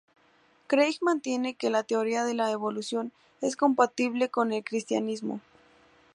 Craig mantiene que la teoría de la evolución es compatible con el cristianismo.